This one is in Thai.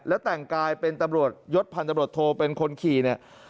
แล้วแต่งกายเป็นตำรวจยศพันธบรวจโทเป็นคนขี่เนี่ย